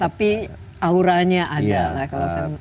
tapi auranya ada lah kalau saya